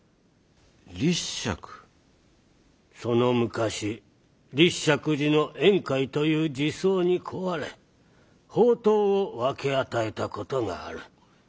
その昔立石寺の円海という寺僧に乞われ法灯を分け与えたことがある。